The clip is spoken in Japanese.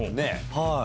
はい。